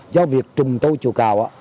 do việc trùng thu chùa cầu